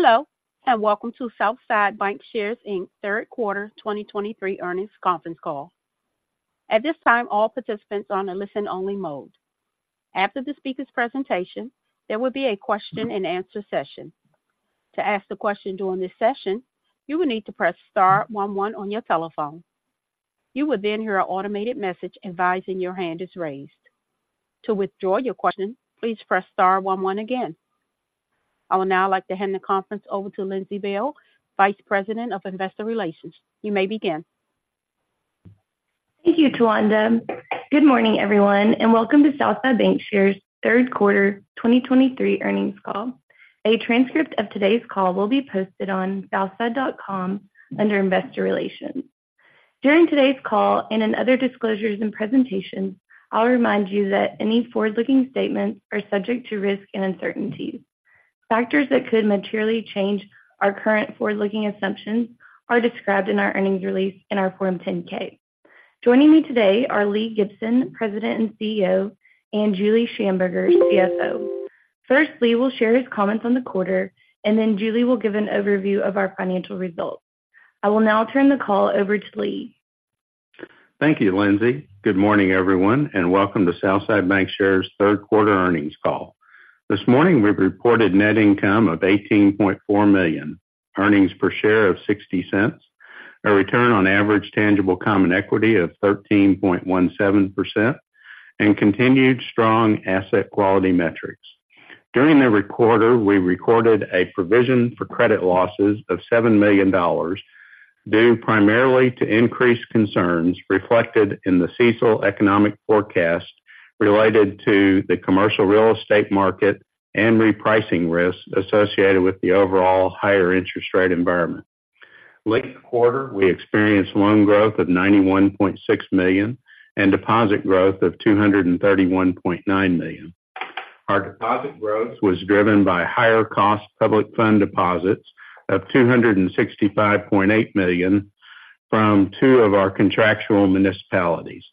Hello, and welcome to Southside Bancshares, Inc.'s third quarter 2023 earnings conference call. At this time, all participants are on a listen-only mode. After the speaker's presentation, there will be a question and answer session. To ask the question during this session, you will need to press star one one on your telephone. You will then hear an automated message advising your hand is raised. To withdraw your question, please press star one one again. I would now like to hand the conference over to Lindsey Bailes, Vice President of Investor Relations. You may begin. Thank you, Tawanda. Good morning, everyone, and welcome to Southside Bancshares third quarter 2023 earnings call. A transcript of today's call will be posted on southside.com under Investor Relations. During today's call and in other disclosures and presentations, I'll remind you that any forward-looking statements are subject to risk and uncertainty. Factors that could materially change our current forward-looking assumptions are described in our earnings release in our Form 10-K. Joining me today are Lee Gibson, President and CEO, and Julie Shamburger, CFO. First, Lee will share his comments on the quarter, and then Julie will give an overview of our financial results. I will now turn the call over to Lee. Thank you, Lindsy. Good morning, everyone, and welcome to Southside Bancshares third quarter earnings call. This morning, we reported net income of $18.4 million, earnings per share of $0.60, a return on average tangible common equity of 13.17%, and continued strong asset quality metrics. During the quarter, we recorded a provision for credit losses of $7 million, due primarily to increased concerns reflected in the CECL economic forecast related to the commercial real estate market and repricing risks associated with the overall higher interest rate environment. Linked quarter, we experienced loan growth of $91.6 million and deposit growth of $231.9 million. Our deposit growth was driven by higher cost public fund deposits of $265.8 million from two of our contractual municipalities.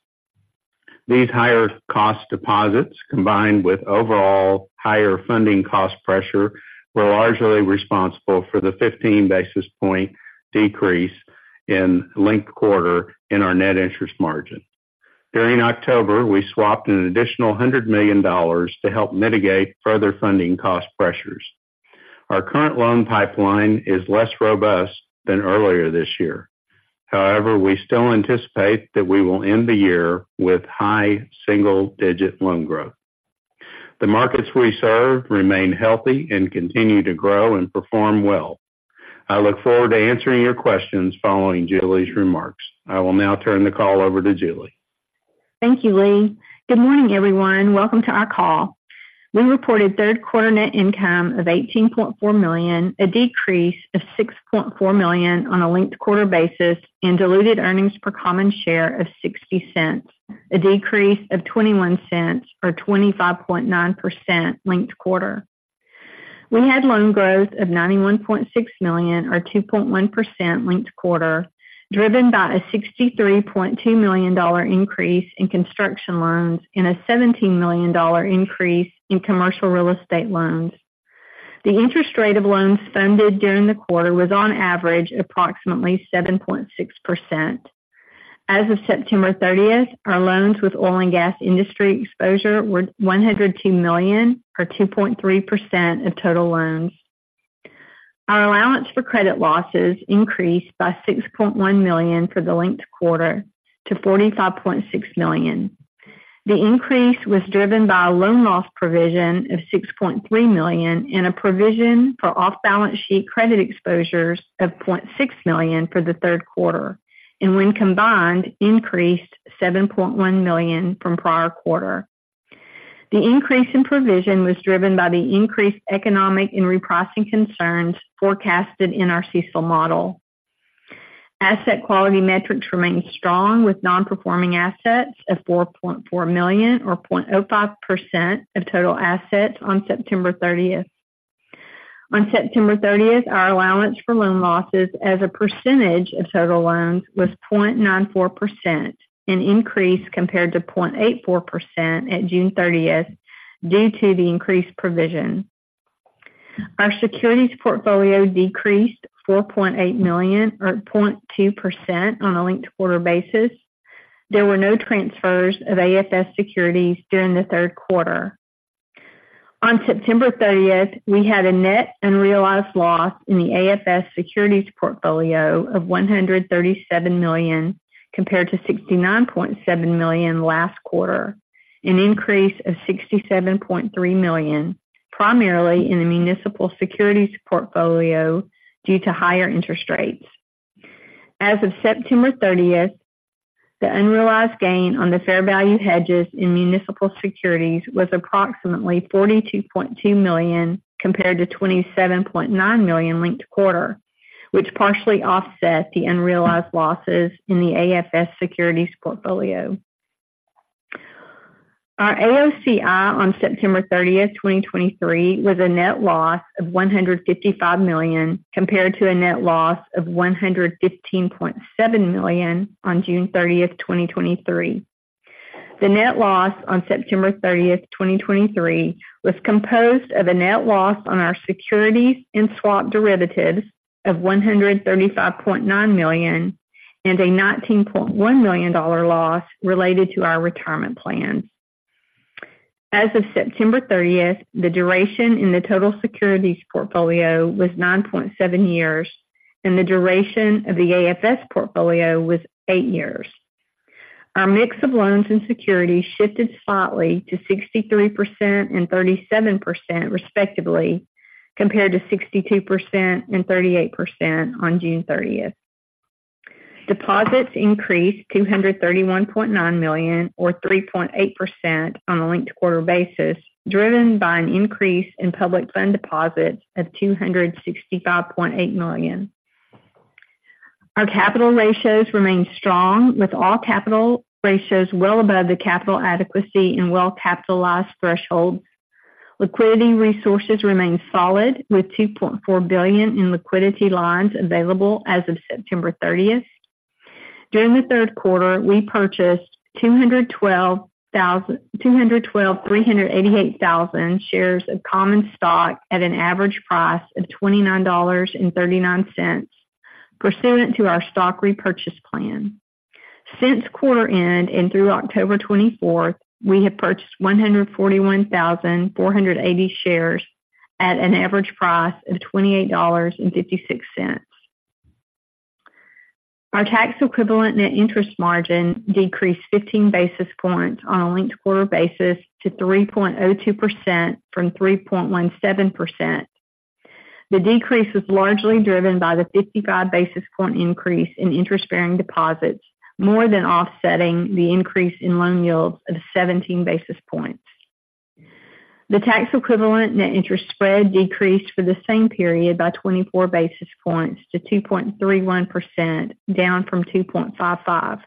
These higher cost deposits, combined with overall higher funding cost pressure, were largely responsible for the 15 basis point decrease in linked quarter in our net interest margin. During October, we swapped an additional $100 million to help mitigate further funding cost pressures. Our current loan pipeline is less robust than earlier this year. However, we still anticipate that we will end the year with high single-digit loan growth. The markets we serve remain healthy and continue to grow and perform well. I look forward to answering your questions following Julie's remarks. I will now turn the call over to Julie. Thank you, Lee. Good morning, everyone. Welcome to our call. We reported third quarter net income of $18.4 million, a decrease of $6.4 million on a linked quarter basis and diluted earnings per common share of $0.60, a decrease of $0.21 or 25.9% linked quarter. We had loan growth of $91.6 million or 2.1% linked quarter, driven by a $63.2 million increase in construction loans and a $17 million increase in commercial real estate loans. The interest rate of loans funded during the quarter was, on average, approximately 7.6%. As of September 30th, our loans with oil and gas industry exposure were $102 million, or 2.3% of total loans. Our allowance for credit losses increased by $6.1 million for the linked quarter to $45.6 million. The increase was driven by a loan loss provision of $6.3 million and a provision for off-balance sheet credit exposures of $0.6 million for the third quarter, and when combined, increased $7.1 million from prior quarter. The increase in provision was driven by the increased economic and repricing concerns forecasted in our CECL model. Asset quality metrics remain strong, with non-performing assets of $4.4 million or 0.05% of total assets on September 30th. On September thirtieth, our allowance for loan losses as a percentage of total loans was 0.94%, an increase compared to 0.84% at June 30th, due to the increased provision. Our securities portfolio decreased $4.8 million or 0.2% on a linked-quarter basis. There were no transfers of AFS securities during the third quarter. On September 30th, we had a net unrealized loss in the AFS securities portfolio of $137 million, compared to $69.7 million last quarter, an increase of $67.3 million, primarily in the municipal securities portfolio, due to higher interest rates. As of September 30th, the unrealized gain on the fair value hedges in municipal securities was approximately $42.2 million, compared to $27.9 million linked quarter, which partially offset the unrealized losses in the AFS securities portfolio. Our AOCI on September 30th, 2023, was a net loss of $155 million, compared to a net loss of $115.7 million on June 30th, 2023. The net loss on September 30th, 2023, was composed of a net loss on our securities and swap derivatives of $135.9 million, and a $19.1 million loss related to our retirement plan. As of September 30th, the duration in the total securities portfolio was 9.7 years, and the duration of the AFS portfolio was 8 years. Our mix of loans and securities shifted slightly to 63% and 37%, respectively, compared to 62% and 38% on June 30th. Deposits increased $231.9 million, or 3.8% on a linked-quarter basis, driven by an increase in public fund deposits of $265.8 million. Our capital ratios remain strong, with all capital ratios well above the capital adequacy and well-capitalized threshold. Liquidity resources remain solid, with $2.4 billion in liquidity lines available as of September thirtieth. During the third quarter, we purchased 212,388 shares of common stock at an average price of $29.39, pursuant to our stock repurchase plan. Since quarter end and through October twenty-fourth, we have purchased 141,480 shares at an average price of $28.56. Our tax equivalent net interest margin decreased 15 basis points on a linked quarter basis to 3.02% from 3.17%. The decrease was largely driven by the 55 basis point increase in interest-bearing deposits, more than offsetting the increase in loan yields of 17 basis points. The tax equivalent net interest spread decreased for the same period by 24 basis points to 2.31%, down from 2.55%.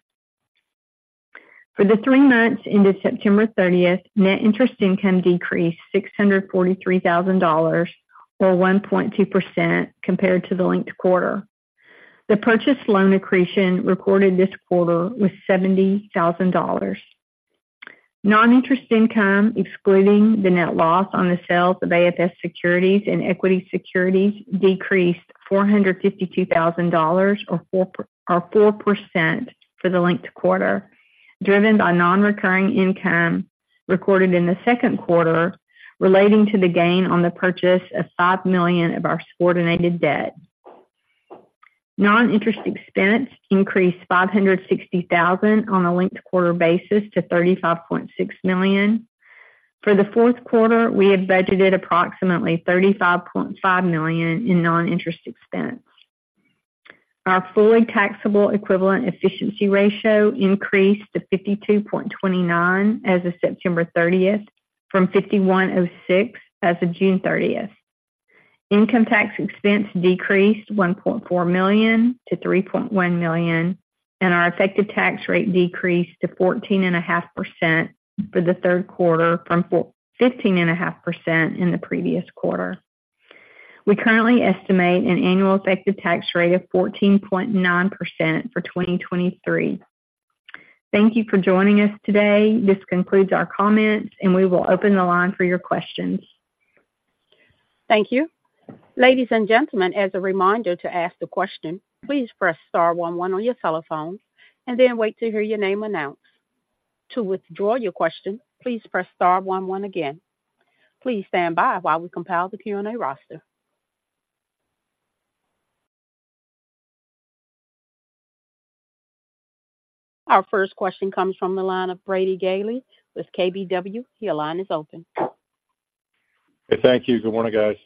For the three months ended September thirtieth, net interest income decreased $643,000, or 1.2%, compared to the linked quarter. The purchased loan accretion recorded this quarter was $70,000. Non-interest income, excluding the net loss on the sales of AFS Securities and equity securities, decreased $452,000 or 4% for the linked quarter, driven by non-recurring income recorded in the second quarter, relating to the gain on the purchase of $5 million of our subordinated debt. Non-interest expense increased $560,000 on a linked quarter basis to $35.6 million. For the fourth quarter, we have budgeted approximately $35.5 million in non-interest expense. Our fully taxable equivalent efficiency ratio increased to 52.29 as of September thirtieth, from 51.06 as of June thirtieth. Income tax expense decreased $1.4 million-$3.1 million, and our effective tax rate decreased to 14.5% for the third quarter from 15.5% in the previous quarter. We currently estimate an annual effective tax rate of 14.9% for 2023. Thank you for joining us today. This concludes our comments, and we will open the line for your questions. Thank you. Ladies and gentlemen, as a reminder to ask the question, please press star one one on your telephone and then wait to hear your name announced. To withdraw your question, please press star one one again. Please stand by while we compile the Q&A roster. Our first question comes from the line of Brady Gailey with KBW. Your line is open. Thank you. Good morning, guys.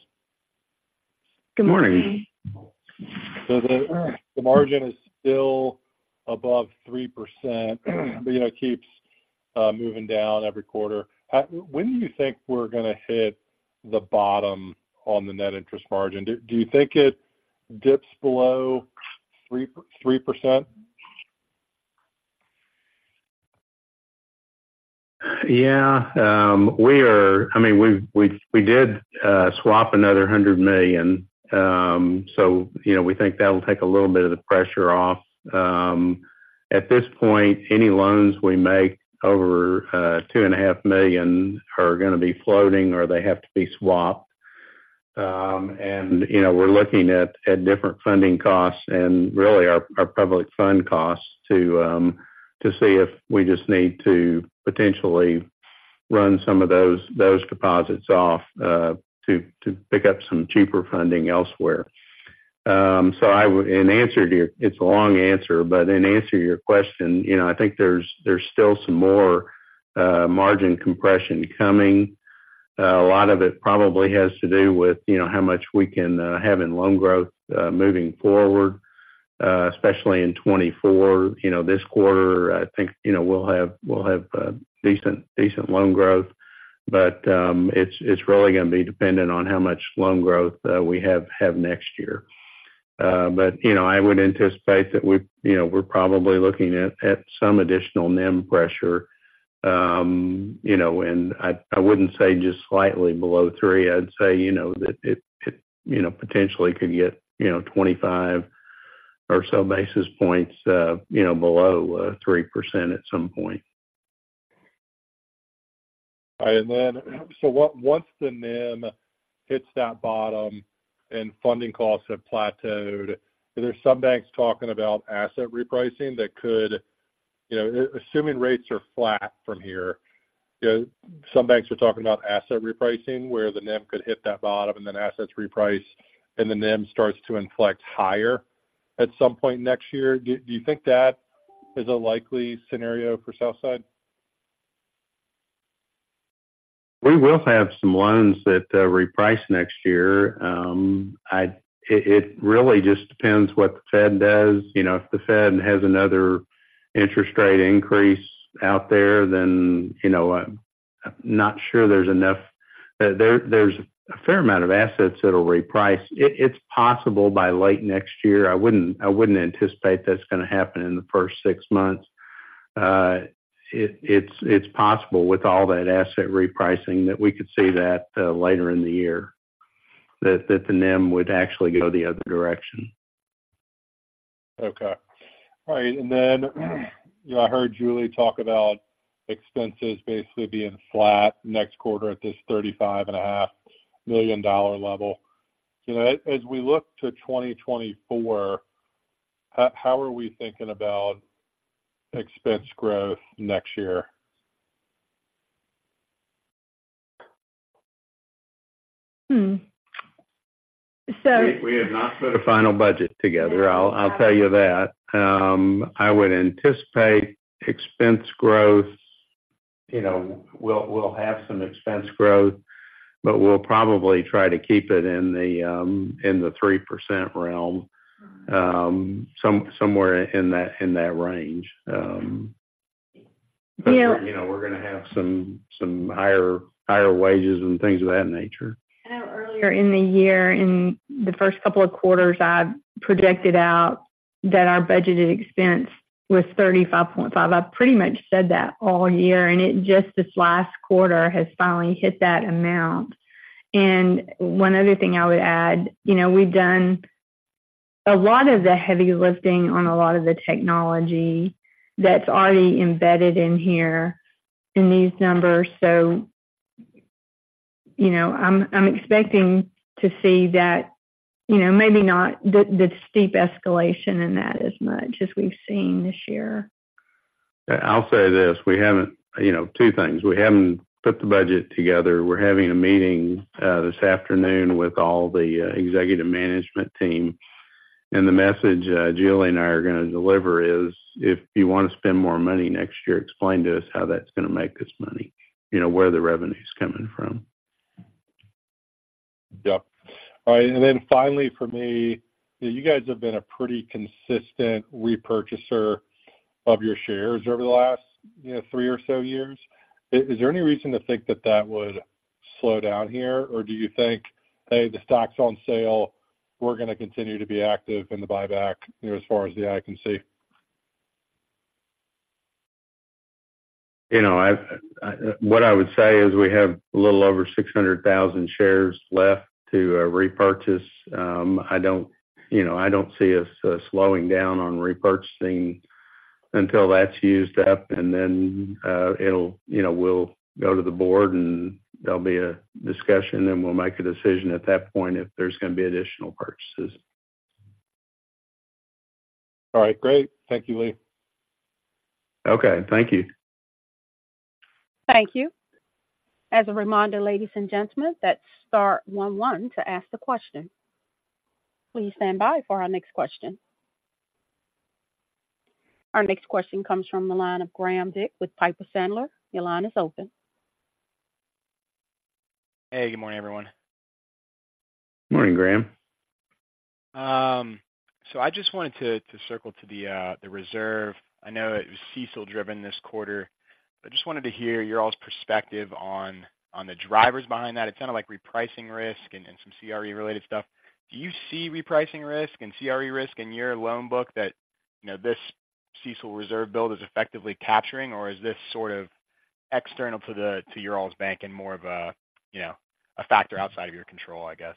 Good morning. The margin is still above 3%, but, you know, it keeps moving down every quarter. How—when do you think we're gonna hit the bottom on the net interest margin? Do you think it dips below 3%? Yeah, we are—I mean, we did swap another $100 million. So, you know, we think that'll take a little bit of the pressure off. At this point, any loans we make over $2.5 million are gonna be floating or they have to be swapped. And, you know, we're looking at different funding costs and really our public fund costs to see if we just need to potentially run some of those deposits off to pick up some cheaper funding elsewhere. So I would... In answer to your—it's a long answer, but in answer to your question, you know, I think there's still some more margin compression coming. A lot of it probably has to do with, you know, how much we can have in loan growth, moving forward, especially in 2024. You know, this quarter, I think, you know, we'll have, we'll have decent, decent loan growth, but, it's, it's really gonna be dependent on how much loan growth we have, have next year. But, you know, I would anticipate that we, you know, we're probably looking at, at some additional NIM pressure,... You know, and I wouldn't say just slightly below 3. I'd say, you know, that it potentially could get, you know, 25 or so basis points, you know, below 3% at some point. All right. Once the NIM hits that bottom and funding costs have plateaued, are there some banks talking about asset repricing that could, you know, assuming rates are flat from here, you know, some banks are talking about asset repricing, where the NIM could hit that bottom and then assets reprice, and the NIM starts to inflect higher at some point next year. Do you think that is a likely scenario for Southside? We will have some loans that reprice next year. It really just depends what the Fed does. You know, if the Fed has another interest rate increase out there, then, you know, I'm not sure there's enough. There's a fair amount of assets that'll reprice. It's possible by late next year. I wouldn't anticipate that's going to happen in the first six months. It's possible with all that asset repricing that we could see that later in the year, that the NIM would actually go the other direction. Okay. All right, and then, you know, I heard Julie talk about expenses basically being flat next quarter at this $35.5 million level. You know, as we look to 2024, how, how are we thinking about expense growth next year? Hmm. So- We have not put a final budget together, I'll tell you that. I would anticipate expense growth. You know, we'll have some expense growth, but we'll probably try to keep it in the 3% realm, somewhere in that range. Yeah- You know, we're going to have some, some higher, higher wages and things of that nature. I know earlier in the year, in the first couple of quarters, I've projected out that our budgeted expense was $35.5. I pretty much said that all year, and it just this last quarter has finally hit that amount. And one other thing I would add, you know, we've done a lot of the heavy lifting on a lot of the technology that's already embedded in here in these numbers, so you know, I'm expecting to see that, you know, maybe not the steep escalation in that as much as we've seen this year. I'll say this: We haven't, you know, two things. We haven't put the budget together. We're having a meeting this afternoon with all the executive management team, and the message Julie and I are going to deliver is, if you want to spend more money next year, explain to us how that's going to make us money. You know, where the revenue is coming from. Yep. All right, finally, for me, you guys have been a pretty consistent repurchaser of your shares over the last, you know, 3 or so years. Is there any reason to think that that would slow down here? Or do you think, hey, the stock's on sale, we're going to continue to be active in the buyback, you know, as far as the eye can see? You know, what I would say is we have a little over 600,000 shares left to repurchase. I don't, you know, I don't see us slowing down on repurchasing until that's used up, and then, you know, we'll go to the board, and there'll be a discussion, and we'll make a decision at that point if there's going to be additional purchases. All right, great. Thank you, Lee. Okay, thank you. Thank you. As a reminder, ladies and gentlemen, that's star one one to ask the question. Please stand by for our next question. Our next question comes from the line of Graham Conrad with Piper Sandler. Your line is open. Hey, good morning, everyone. Morning, Graham. So I just wanted to circle to the reserve. I know it was CECL-driven this quarter, but I just wanted to hear your all's perspective on the drivers behind that. It's kind of like repricing risk and some CRE related stuff. Do you see repricing risk and CRE risk in your loan book that, you know, this CECL reserve build is effectively capturing, or is this sort of external to the, to your all's bank and more of a, you know, a factor outside of your control, I guess?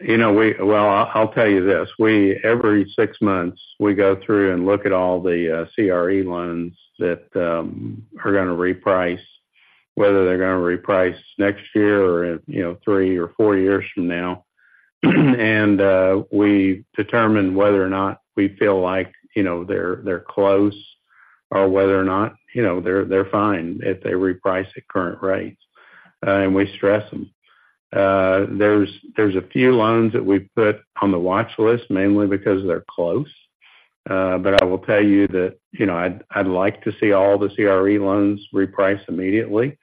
You know, we-- Well, I'll tell you this. We-- every six months, we go through and look at all the CRE loans that are going to reprice, whether they're going to reprice next year or, you know, three or four years from now. We determine whether or not we feel like, you know, they're, they're close, or whether or not, you know, they're, they're fine if they reprice at current rates, and we stress them. There's, there's a few loans that we've put on the watch list, mainly because they're close. I will tell you that, you know, I'd, I'd like to see all the CRE loans reprice immediately.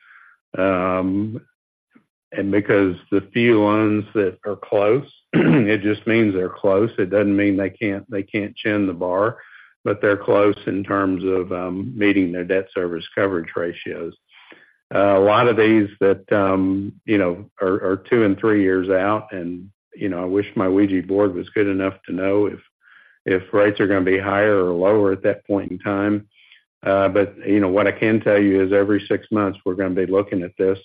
Because the few loans that are close, it just means they're close. It doesn't mean they can't, they can't chin the bar, but they're close in terms of meeting their debt service coverage ratios. A lot of these that, you know, are two and three years out, and, you know, I wish my Ouija board was good enough to know if rates are gonna be higher or lower at that point in time. What I can tell you is every six months, we're gonna be looking at this,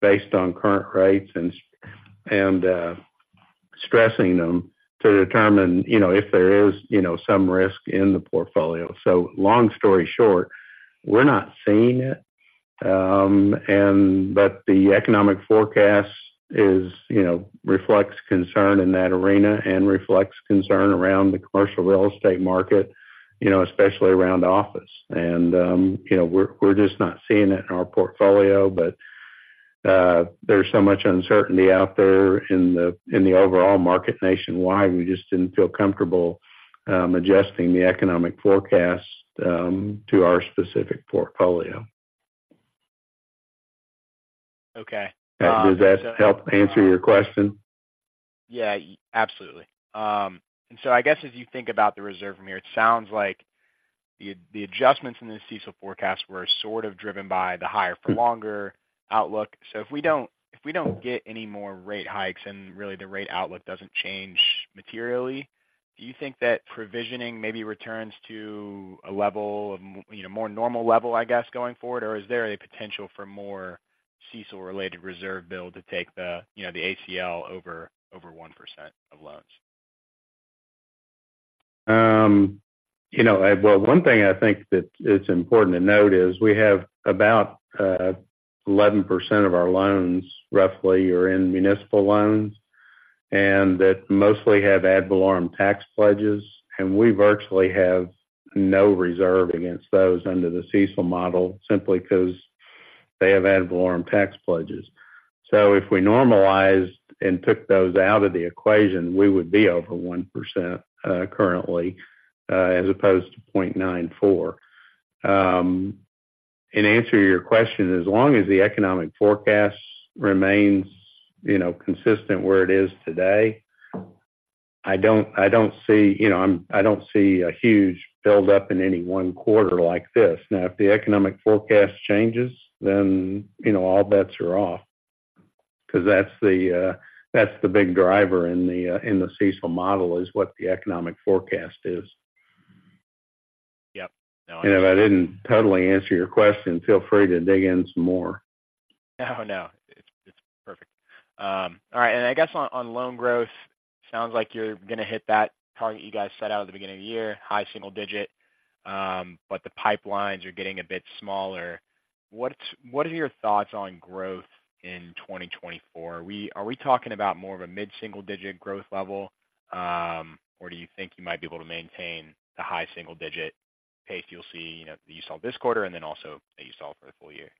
based on current rates and stressing them to determine, you know, if there is, you know, some risk in the portfolio. Long story short, we're not seeing it, and the economic forecast is, you know, reflects concern in that arena and reflects concern around the commercial real estate market, especially around office. You know, we're just not seeing it in our portfolio, but there's so much uncertainty out there in the overall market nationwide. We just didn't feel comfortable adjusting the economic forecast to our specific portfolio. Okay, um- Does that help answer your question? Yeah, absolutely. And so I guess as you think about the reserve from here, it sounds like the adjustments in the CECL forecast were sort of driven by the higher for longer outlook. So if we don't get any more rate hikes, and really the rate outlook doesn't change materially, do you think that provisioning maybe returns to a level of, you know, more normal level, I guess, going forward? Or is there a potential for more CECL-related reserve build to take the, you know, the ACL over 1% of loans? You know, well, one thing I think that it's important to note is, we have about, roughly, 11% of our loans are in municipal loans, and that mostly have ad valorem tax pledges, and we virtually have no reserve against those under the CECL model, simply 'cause they have ad valorem tax pledges. So if we normalized and took those out of the equation, we would be over 1%, currently, as opposed to 0.94. In answer to your question, as long as the economic forecast remains, you know, consistent where it is today, I don't, I don't see, you know, I don't see a huge build-up in any one quarter like this. Now, if the economic forecast changes, then, you know, all bets are off, 'cause that's the big driver in the CECL model, is what the economic forecast is. Yep. If I didn't totally answer your question, feel free to dig in some more. Oh, no. It's, it's perfect. All right, and I guess on, on loan growth, sounds like you're gonna hit that target you guys set out at the beginning of the year, high single digit, but the pipelines are getting a bit smaller. What are your thoughts on growth in 2024? Are we talking about more of a mid-single digit growth level, or do you think you might be able to maintain the high single digit pace you'll see, you know, that you saw this quarter and then also that you saw for the full year?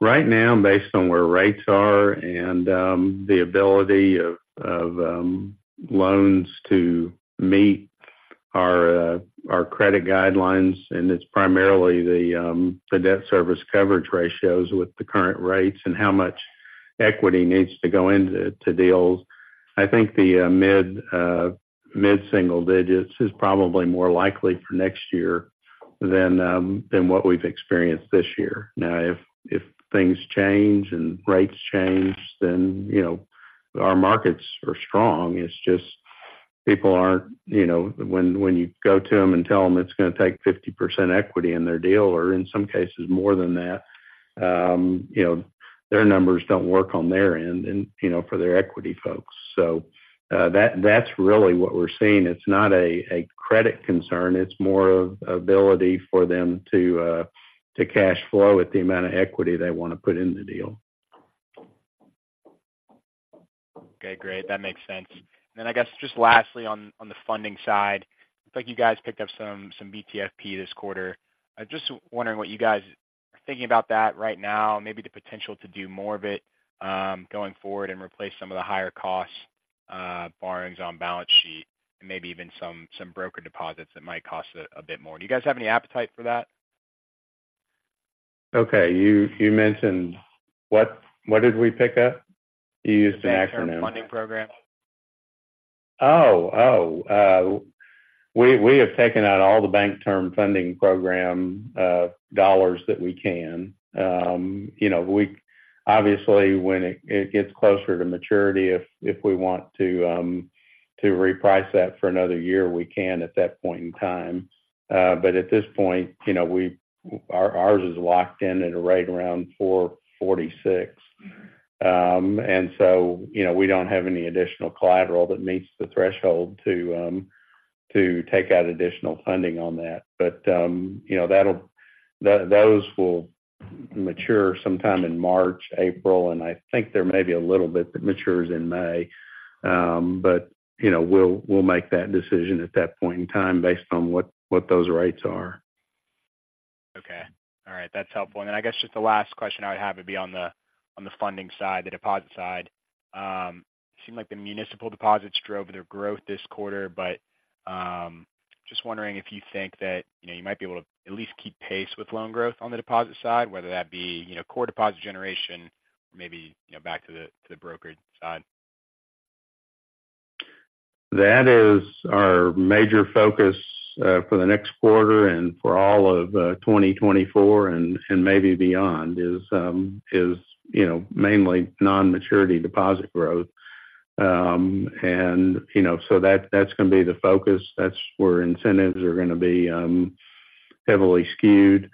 Right now, based on where rates are and the ability of loans to meet our credit guidelines, and it's primarily the debt service coverage ratios with the current rates and how much equity needs to go into deals, I think the mid single digits is probably more likely for next year than what we've experienced this year. Now, if things change and rates change, then, you know, our markets are strong. It's just people aren't, you know, when you go to them and tell them it's gonna take 50% equity in their deal, or in some cases more than that, you know, their numbers don't work on their end and, you know, for their equity folks. So, that, that's really what we're seeing. It's not a credit concern, it's more of ability for them to cash flow with the amount of equity they wanna put in the deal. Okay, great. That makes sense. Then, I guess, just lastly on the funding side, looks like you guys picked up some BTFP this quarter. I'm just wondering what you guys are thinking about that right now, maybe the potential to do more of it going forward and replace some of the higher cost borrowings on balance sheet, and maybe even some broker deposits that might cost a bit more. Do you guys have any appetite for that? Okay. You mentioned... What did we pick up? You used an acronym. Bank Term Funding Program. We have taken out all the Bank Term Funding Program dollars that we can. You know, we obviously, when it gets closer to maturity, if we want to reprice that for another year, we can at that point in time. But at this point, you know, ours is locked in at a rate around 4.46. And so, you know, we don't have any additional collateral that meets the threshold to take out additional funding on that. But, you know, those will mature sometime in March, April, and I think there may be a little bit that matures in May. But, you know, we'll make that decision at that point in time, based on what those rates are. Okay. All right. That's helpful. And then I guess just the last question I would have would be on the, on the funding side, the deposit side. It seemed like the municipal deposits drove their growth this quarter, but, just wondering if you think that, you know, you might be able to at least keep pace with loan growth on the deposit side, whether that be, you know, core deposit generation, maybe, you know, back to the, to the brokered side?... That is our major focus for the next quarter and for all of 2024 and maybe beyond is you know mainly non-maturity deposit growth. And you know so that that's going to be the focus. That's where incentives are going to be heavily skewed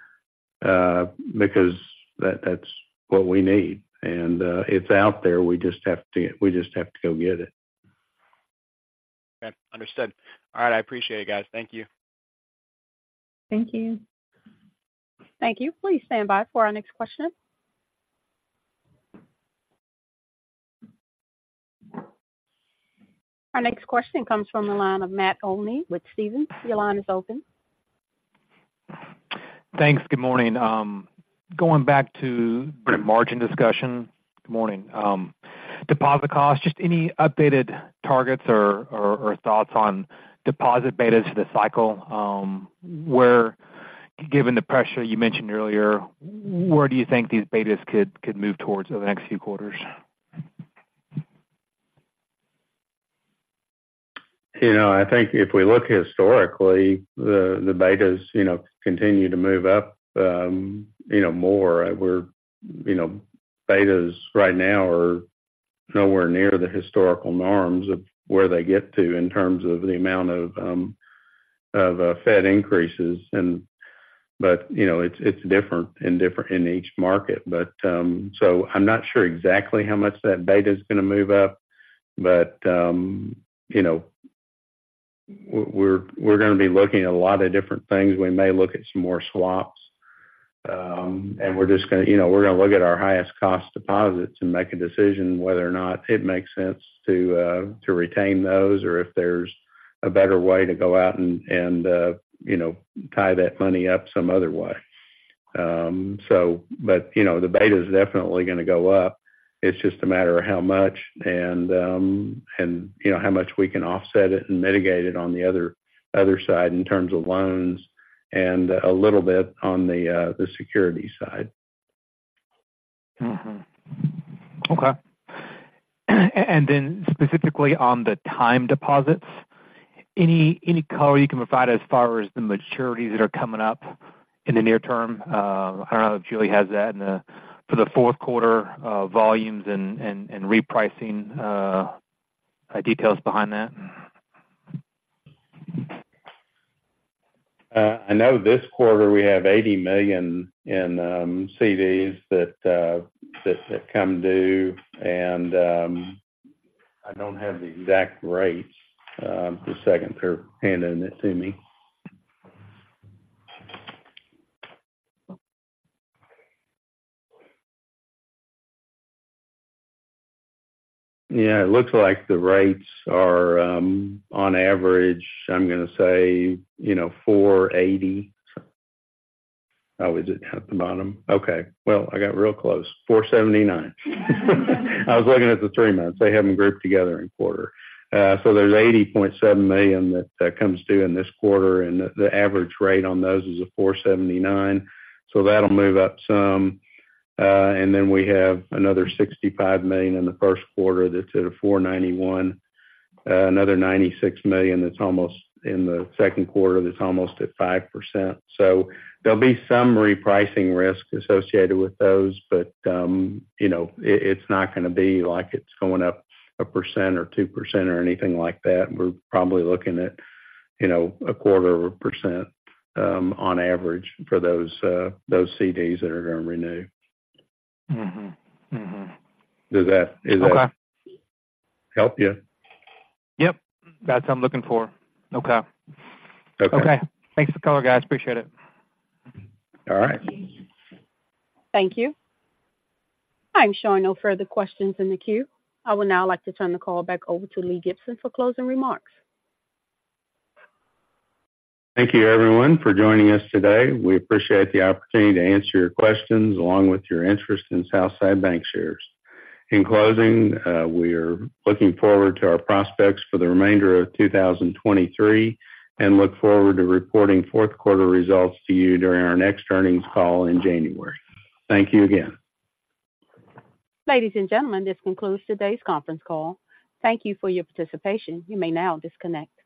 because that's what we need. And it's out there, we just have to, we just have to go get it. Okay, understood. All right. I appreciate it, guys. Thank you. Thank you. Thank you. Please stand by for our next question. Our next question comes from the line of Matt Olney with Stephens. Your line is open. Thanks. Good morning. Going back to the margin discussion. Good morning. Deposit costs, just any updated targets or thoughts on deposit betas for the cycle? Where, given the pressure you mentioned earlier, where do you think these betas could move towards over the next few quarters? You know, I think if we look historically, the betas, you know, continue to move up, you know, more. We're, you know, betas right now are nowhere near the historical norms of where they get to in terms of the amount of Fed increases. But, you know, it's different in each market. But, so I'm not sure exactly how much that beta is going to move up, but, you know, we're going to be looking at a lot of different things. We may look at some more swaps, and we're just gonna, you know, we're going to look at our highest cost deposits and make a decision whether or not it makes sense to to retain those, or if there's a better way to go out and, and, you know, tie that money up some other way. So, but, you know, the beta is definitely going to go up. It's just a matter of how much and, and, you know, how much we can offset it and mitigate it on the other, other side in terms of loans and a little bit on the, the security side. Mm-hmm. Okay. And then specifically on the time deposits, any color you can provide as far as the maturities that are coming up in the near term? I don't know if Julie has that in the—for the fourth quarter, volumes and repricing details behind that. I know this quarter we have $80 million in CDs that come due, and I don't have the exact rates. Just a second here, handing this to me. Yeah, it looks like the rates are on average, I'm going to say, you know, 4.80. Oh, is it at the bottom? Okay, well, I got real close. 4.79. I was looking at the three months. They have them grouped together in quarter. So there's $80.7 million that comes due in this quarter, and the average rate on those is a 4.79. So that'll move up some. And then we have another $65 million in the first quarter that's at a 4.91. Another $96 million, that's almost in the second quarter, that's almost at 5%. There'll be some repricing risk associated with those, but, you know, it's not going to be like it's going up 1% or 2% or anything like that. We're probably looking at, you know, a quarter of a percent, on average for those CDs that are going to renew. Mm-hmm. Mm-hmm. Does that- Okay. Does that help you? Yep, that's what I'm looking for. Okay. Okay. Okay. Thanks for the color, guys. Appreciate it. All right. Thank you. I'm showing no further questions in the queue. I would now like to turn the call back over to Lee Gibson for closing remarks. Thank you, everyone, for joining us today. We appreciate the opportunity to answer your questions, along with your interest in Southside Bancshares. In closing, we are looking forward to our prospects for the remainder of 2023 and look forward to reporting fourth quarter results to you during our next earnings call in January. Thank you again. Ladies and gentlemen, this concludes today's conference call. Thank you for your participation. You may now disconnect.